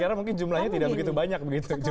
karena mungkin jumlahnya tidak begitu banyak begitu